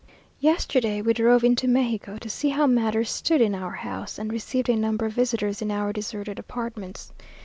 Yesterday we drove into Mexico, to see how matters stood in our house, and received a number of visitors in our deserted apartments.